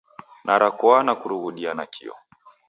Narakoa na kurughudia nakio.